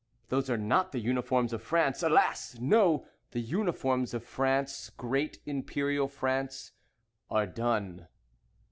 Those are not the uniforms of France. Alas! No! The uniforms of France, Great Imperial France, are done.